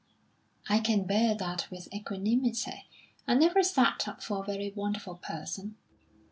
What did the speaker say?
"I can bear that with equanimity. I never set up for a very wonderful person."